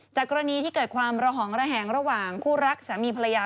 กรณีที่เกิดความระหองระแหงระหว่างคู่รักสามีภรรยา